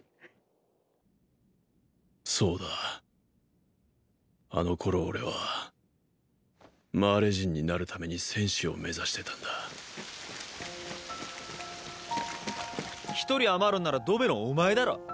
そうだあの頃俺はマーレ人になるために戦士を目指してたんだ一人余るんならドベのお前だろ？